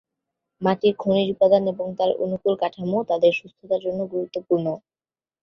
মাটির খনিজ উপাদান এবং তার অনুকূল কাঠামো, তাদের সুস্থতার জন্য গুরুত্বপূর্ণ।